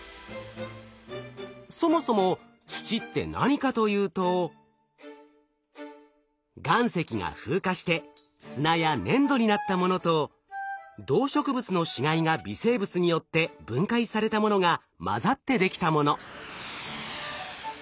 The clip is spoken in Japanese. そもそも土って何かというと岩石が風化して砂や粘土になったものと動植物の死骸が微生物によって分解されたものが混ざってできたもの。